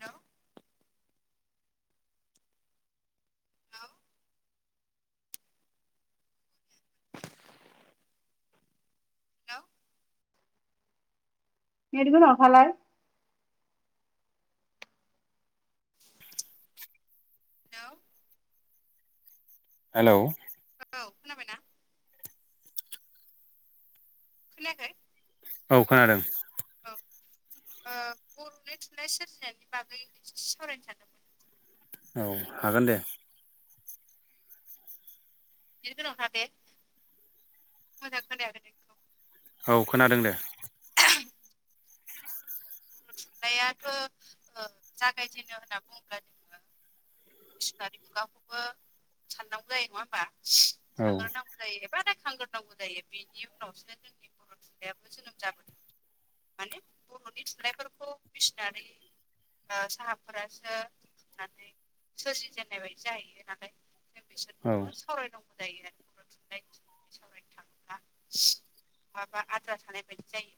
हेल' हेल' [inaudible] हेल' net गोनाङाव थालाय [unintelligible] hello hello औ खोनाबाय ना खोनायाखै? औ खोनादों। औ ओ बर'नि थुनलाइ सोरजिनायनि बागै एसे सावरायनो सानदोंमोन। औ हागोन दे। एसे गोजानाव था दे मोजां खोनायाखै नोंनिखौ। औ खोनादों दे। [unintelligible] थुनलायाथ' ओ जागायजेनो होनना बुङोब्ला जोङो मिसनारि मुगाखौबो साननांगौ जायो नङा होमबा औ सानग्रोनांगौ जायो एबा रायखांग्रोनांगौ जायो बिनि उनावसो जोंनि बर' थुनलायाबो जोनोम जाबोदों। माने बर'नि थुनलाइफोरखौ मिसनारि साहाबफोरासो फैनानै सोरजिजेननाय बायदि जाहैयो नालाय जों औ बिसोरखौबो सावरायनांगौ। जायो आरो थुनलाय [unintelligible] नोंथां ना माबा आद्रा थानाय बायदि जायो।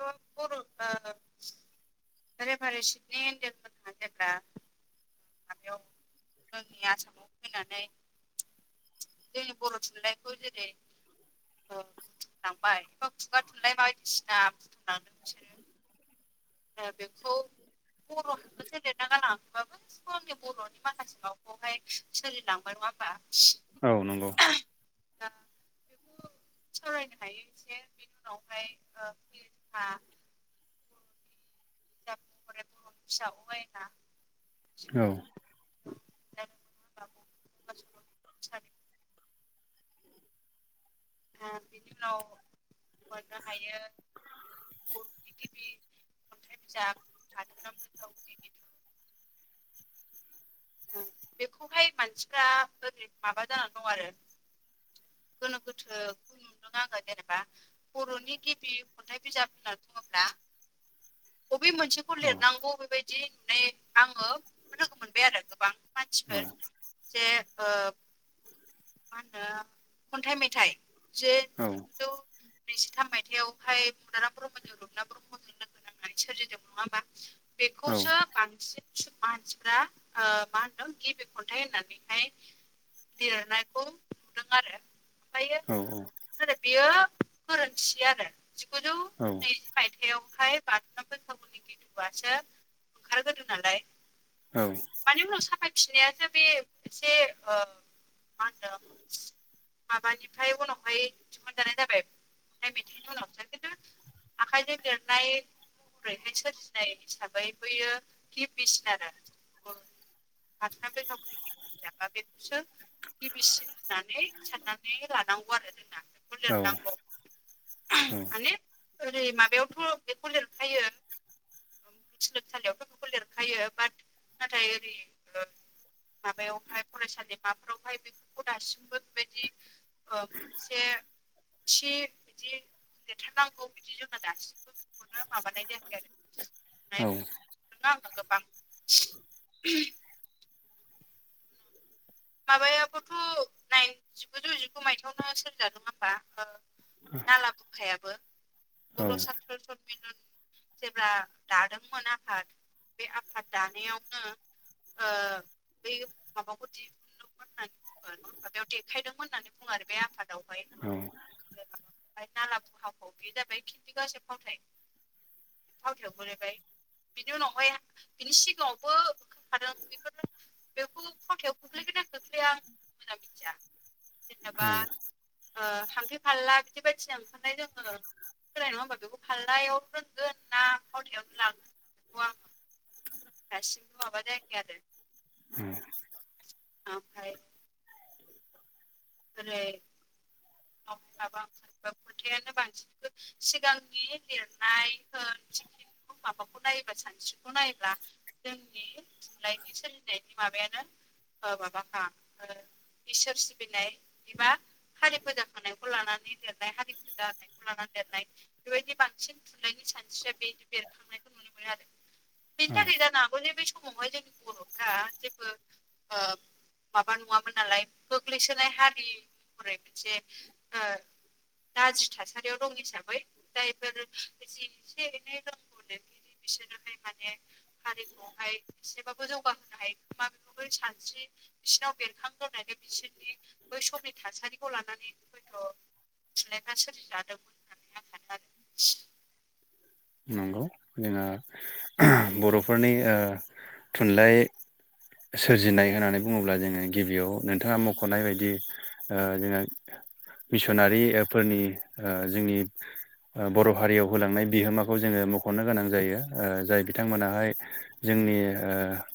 बर' रेभारेण्ड सिडनि एन्डेलमोना जेब्ला बेयाव जोंनि आसामाव फैनानै जोंनि बर' थुनलाइखौ जेरै बुथुमलांबाय एबा खुगा थुनलाइ बायदिसिना बुथुमलांदों बिसोरो। ओ बेखौ बर' हांखोजों लिरना गालांङाखैबाबो गासिबो आंनि बर'नि माखासे मखौहाय सोलिलांबाय नङा होमबा? औ नंगौ। औ बे सावरायनो हायो एसे बेनि उनावहाय ओ [unintelligible] [unintelligible] औ [unintelligible] ओ बिनि उनाव मोननो हायो। बर'नि गिबि खन्थाइ बिजाब बिजाब बाथुनाम बैखा बेखौहाय मानसिफ्रा ओरै माबा जानानै दं आरो गोनो गोथो नुदों आङो जेनेबा बर'नि गिबि खन्थाइ बिजाब होनना बुङोब्ला बबे मोनसेखौ औ लिरनांगौ बेबायदि बिदि नो आङो लोगो मोनबाय आरो गोबां औ मानसिफोर। जे मा होनो खन्थाइ मेथाइ जे औ जिगुजौ नैजिथाम मायथाइयावहाय मदाराम ब्रह्मजों रुपनाथ ब्रह्मजों लोगो नांनानै सोरजिदों नङा होमबा? औ बेखौसो बांसिन मानसिफ्रा मा होनदों गिबि खन्थाइ होननानैहाय लिरनायखौ नुदों आरो ओमफ्रायो आरो बेयो गोरोन्थि आरो जिगुजौ औ बे मायथायावहाय बाथुनाम बैखाखुनि गिदुआसो ओंखारग्रोदों नालाय औ मानि उनाव साफाय फिननायासो बे एसे ओ मा होनदों? माबानिफ्राय उनावहाय दिहुनजानाय जाबाय ओमफ्राय मेथाइनि उनावसो खिन्थु। आखायजों लिरनाय रायथाय सोरजिनाय हिसाबै बैयो गिबिसिन आरो बाथुनाम बैखागुनि गिदु बिजाबा बेखौसो गिबिसिन होनानै साननानै लानांगौ आरो जोंना बेखौ लिरनांगौ। माने ओरै माबायावथ' बेखौ लिरखायो सोलोंसालियावथ' बेखौ लिरखायो बाट नाथाय ओरै ओ माबायावहाय फरायसालिमा फोरावहाय बेफोरखौ दासिमबो बेबायदि ओ मोनसे एसे बिदि लिरथारनांगौ बिदि जोङो दासिमबो बेखौनो माबानाय जायाखै आरो [unintelligible] माबायाबोथ' नाइन जिगुजौ जिगु माइथायावनो सोरजिजादों होमबा नाला बुखायाबो औ औ बर' साथ्र सनमिलन जेब्ला दादोंमोन आफाद बे आफाद दानायावनो ओ बै माबाखौ दि होननानै माबायाव देखायदोंमोन होननानै बुङो आरो बे आफादावहाय। औ ओमफ्राय नाला हाखौ बे जाबाय खिन्थि गासे फावथाय। फावथायाव गोग्लैबाय। बिनि उनावहाय बिनि सिगाङावबो खोनखादों बेफोर बेखौ फावथायाव खोख्लैगोन ना मोजां मिथिया जेनबा हामफे फाल्ला बिदि बायदिनो ओंखारनाय जोङो सोलाय नङा होमबा बेखौ फाल्लायाव रोंगोन ना फावथायावनो लागोन बेखौ आङो दासिमबो माबा जायाखै। [inaudible] ओमफाय ओरै माबा खोथायानो बांसिनखौ सिगांनि लिरनाय होन माबाखौ नायोब्ला सानस्रिखौ नायोब्ला जोंनि थुनलाइनि सोलिनायनि माबायानो माबाखा इसोर सिबिनाय बिदिबा हारि फोजाखांनायखौ लानानै लेरनाय हारि फोजा फोजानायखौ लानानै लिरनाय बेबायदि बांसिन थुनलाइनि सानस्रिया बे बेरखांनायखौ नुनो मोनो आरो बेनि थाखाय जानो हागौ जे बे समावहाय जोंनि बर'फ्रा माबा नङामोन नालाय गोग्लैसोनाय हा [unintelligible] मोनसे ओ गाज्रि थासारियाव दं हिसाबै दा बेफोर जि एसे एनै दंनो बिसोरनोहाय माने हारिखौहाय एसेबाबो जौगाहोनो हायो मोन बा गुबै सानस्रि बिसिरनाव बेरखांगोन होननानै बिसोरनि बै समनि थासारिखौ लानानै हयथ' थुनलाइफ्रा सोरजि जादोंमोन नंगौ जोंङो बर'फोरनि ओ थुनलाइ सोरजिनाय होननानै बुङोब्ला जोङो गिबियाव नोंथाङा मख'नाय बायदि ओ जोङो मिसनारि फोरनि जोंनि बर' हारियाव होलांनाय बिहोमा खौ जोङो मख'नो गोनां जायो जाय आरो बिथांमोनाहाय जोंनि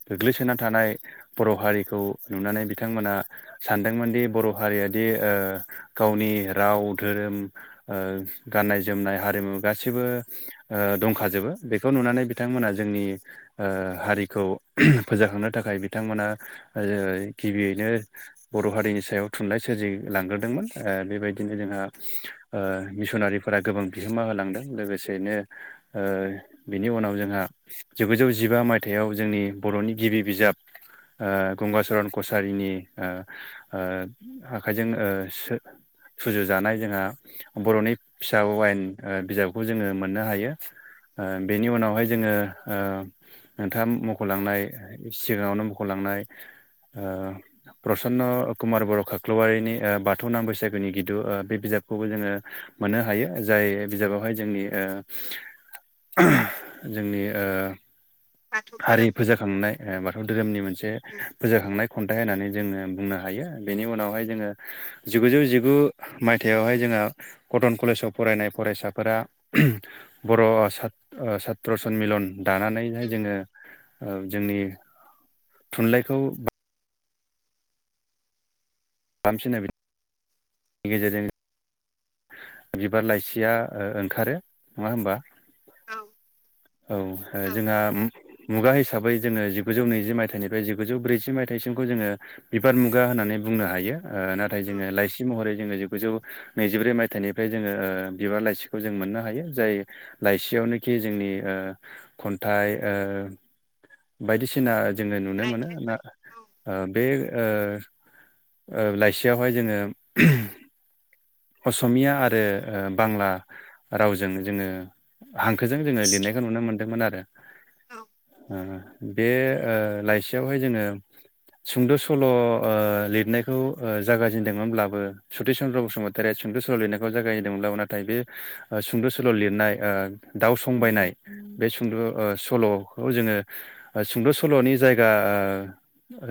गोग्लैसोनानै थानाय बर' हारिखौ नुनानै बिथांमोना सानदोंमोनदि बर' हारिया दि गावनि राव धोरोम ओ गाननाय जोमनाय हारिमु गासिबो ओ दंखाजोबो बेखौ नुनानै बिथांमोना जोंनि हारिखौ फोजाखांनो थाखाय बिथांमोना गिबियैनो बर' हारिनि सायाव थुनलाइ सोरजि लांग्रोदोंमोन बेबायदिनो जोंहा ओ मिसनारिफोरा गोबां बिहोमा होलांदों लोगोसेनो ओ बिनि उनाव जोंहा जिगुजौ जिबा मायथाइयाव जोंनि बर'नि गिबि बिजाब ओ गंगचरन कसारिनि ओ ओ आखाइजों सुजुजानाय जोंहा बर'नि फिसा अवायेन बिजाबखौ जोङो मो नो हायो बेनि उनावहाय जोङो ओ नोंथाङा मख'लांनाय सिगाङावनो मख'लांनाय ओ प्रसन्न कुमार बर' खाख्लवारिनि बाथौ नाम बैसागुनि गिदु बे बिजाब खौबो जोङो मोननो हायो जाय बिजाबावहाय जोंनि ओ जोंनि ओ बाथौ हारि धोरोम फोजा खांनाय बाथौ धोरोमनि मोनसे उम फोजाखांनाय खन्थाइ होननानै जोङो बुंनो हायो बेनि उनावहाय जोङो जिगुजौ जिगु मायथाइावहाय जोंहा कटन कलेजाव फरायनाय फरायसाफोरा बर' सात्र सनमिलन दानानैहाय उम जोङो जोंनि थुनलाइखौ [unintelligible] गेजेरजों बिबार लाइसिया ओंखारो नङा होमबा औ औ औ जोंहा औ मुगा हिसाबै जोङो जिगुौ नैजि मायथाइनिफ्राय जिगुजौ ब्रैजि मायथाइसिमखौ जोङो बिबार मुगा होननानै बुंनो हायो ओ नाथाय औ जोङो लाइसि महरै जोङो जिगुजौ नैजिब्रै मायथाइनिफ्राय जोङो बिबार लाइसिखौ जों मोननो हायो जाय लाइसियावनोखि जोंनि ओ खन्थाइ ओ बायदिसिना जोङो नुनो मोनो ना रायथाइफोर औ बे ओ ओ लाइसियावहाय जोङो असमिया आरो बांला रावजों जोङो हांखोजों जोङो लिरनायखौ नुनो मोन्दोंमोन आरो। औ बे ओ लाइसियावहाय जोङो ओ सुंद' सल' ओ लिरनायखौ ओ जागायाजेनदोंमोनब्लाबो सतिस चन्द्र बसुमतारी देराइ सुंद' सल लिरनायखौ जागायहदोंब्लाबो नाथाय बे सुंद' सल' लिरनाय दाउ संबायनाय बे सुंद' सल'खौ जोङो सुंद' सल'नि जायगा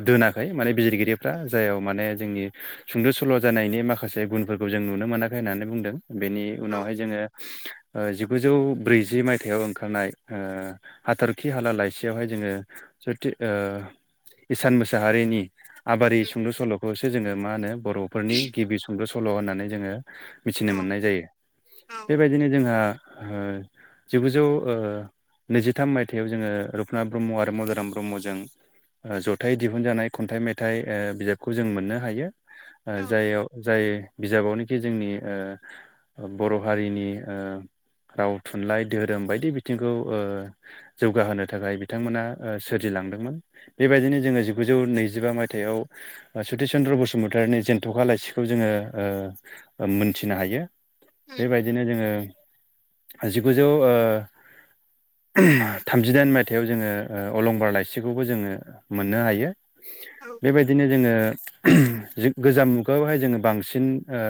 दोनाखै माने बिजिरगिरिफ्रा उम जाययाव माने जोंनि सुंद' सल' जानायनि माखासे गुनफोर खौ जों नुनो मोनाखै होननानै बुंदों बेनि औ उनावहाय जोङो जिगुजौ ब्रैजि मायथाइयाव ओंखारनाय ओ हाथरखि हाला लाइसियावहाय जोङो जुत इसान मोसाहारिनि आबारि उम सुंद' सल'खौसो जोङो मा होनो बर'फोरनि गिबि सुंद' सल' होननानै जोङो मिथिनो औ मोननाय जायो औ बेबायदिनो जोंहा ओ जिगुजौ ओ नैजिथाम मायथाइयाव जोङो रुपनाथ ब्रह्म आरो मदाराम ब्रह्मजों जथाय दिहुनजानाय खन्थाइ मेथाइ बिजाबखौ ओ जों मोननो हायो जाय जाय बिजाबावनोखि जोंनि ओ बर' हारिनि राव थुनलाइ धोरोम बायदि बिथिंखौ ओ जौगाहोनो थाखाय बिथांमोना ओ सोरजिलांदोंमोन बेबायदिनो जोङो जिगुजौ नैजिबा मायथाइयाव सतिस चन्द्र बसुमतारीनि जेन्थ'खा लाइसिखौ जोङो ओ ओम मोनथिनो हायो उम बेबायदिनो जोङो जिगुजौ ओ थामजिदाइन मायथाइयाव जोङो ओ अलंबार लाइसिखौबो जोङो मोननो हायो औ बेबायदिनो जोङो गोजाम मुगायावहाय जोङो बांसिन सिन ओ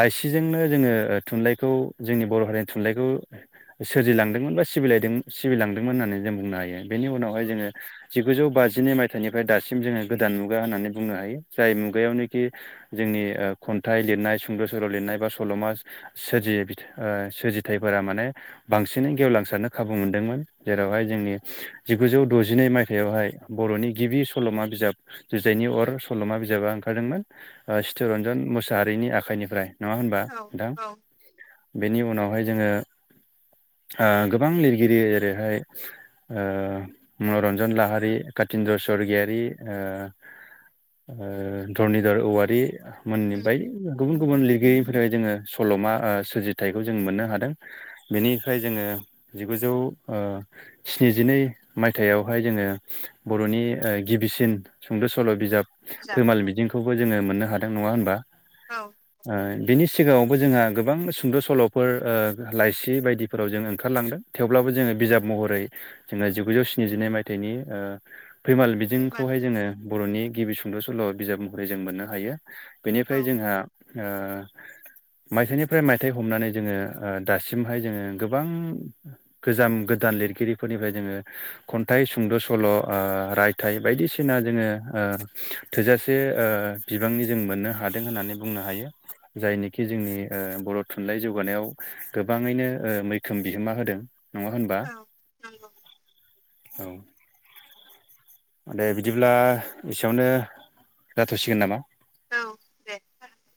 लाइसिजोंनो जोङो थुनलाइखौ जोंनि बर' हारिनि थुनलाइखौ सोरजिलांदोंमोन बा सिबिलायदों सिबिलांदोंमोन होननानै जों बुंनो हायो बेनि उनावहाय जोङो जिगुजौ बाजिनै मायथाइनिफ्राय दासिम जोङो गोदान मुगा होननानै बुंनो हायो जाय मुगायावनोखि जोंनि खन्थाइ लिरनाय सुंद' सल' लिरनाय बा सल'मा सोरजियो सोरजिथाइफोरा माने बांसिनै गेवलांसारनो खाबु मोनदोंमोन जेरावहाय जोंनि जिगुजौ द'जिनै मायथाइयावहाय बर'नि गिबि सल'मा बिजाब जुजाइनि अर सल'मा बिजाबा ओंखारदोंमोन चितरन्जन मुसाहारिनि आखाइनिफ्राय नोंङा होनबा औ नोंथां। औ उम बेनि उनावहाय जोङो ओ गोबां लिरगिरि ओरैहाय ओ मनरन्जन लाहारि कातिन्द्र' सवरगियारि ओ ओ धरनिधर औवारि मोननिबाय गुबुन गुबुन लिरगिरि। बोरै जोङो सल'मा ओ सोरजिथाइखौ जों मोननो हादों। बेनिफ्राय जोङो ओ जिगुजौ ओ स्निजिनै मायथाइयावहाय जोङो ओ बर'नि ओ गिबिसिन सुंद' सल' बिजाब फैमाल मिजिंखौबो जोङो मोननो हादों नङा होनबा? औ ओ बिनि सिगाङावबो जोंहा गोबां सुंद' सल'फोर ओ लाइसि बायदिफोराव जों ओंखारलांदों। थेवब्लाबो जोङो बिजाब महरै जोङो जिगुजौ स्निजिनै मायथाइनि ओ फैमाल सैमा मिजिंखौहाय जोङो बिसंखौ बर'नि गिबि सुंद' सल' बिजाब महरै जों मोननो हायो। औ बेनिफ्राय जोंहा ओ मायथाइनिफ्राय मायथाइ हमनानै जोङो ओ दासिमहाय जोङो गोबां गोजाम गोदान लिरगिरिफोरनिफ्राय जोङो खन्थाइ सुंद' सल' ओ राय फिथाइ बायदिसिना जोङो ओ थोजासे ओ बिबांनि जों मोननो हादों होननानै बुंनो हायो। जायनिखि जोंनि ओ बर' थुनलाइ जौगानायाव गोबाङैनो मैखोम बिहोमा होदों। नङा होनबा औ नंगौ औ। दे बिदिब्ला एसेयावनो जाथ'सिगोन नामा? औ दे जागोन दे।